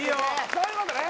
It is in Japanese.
そういうことね